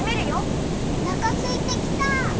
おなかすいてきた。